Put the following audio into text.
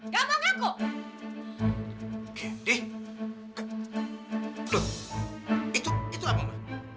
jangan mentang mentang udah menolong kita kamu